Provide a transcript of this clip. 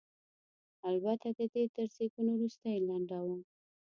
البته د دې تر زېږون وروسته یې لنډوم.